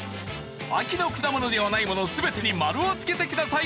秋の果物ではないもの全てに丸をつけてくださいね。